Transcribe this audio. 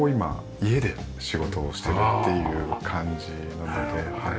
家で仕事をしてるっていう感じなのではい。